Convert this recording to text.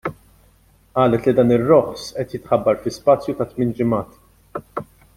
Qalet li dan ir-roħs qed jitħabbar fi spazju ta' tmien ġimgħat.